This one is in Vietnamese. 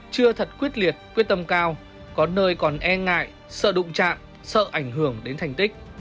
chưa thật quyết liệt quyết tâm cao có nơi còn e ngại sợ đụng chạm sợ ảnh hưởng đến thành tích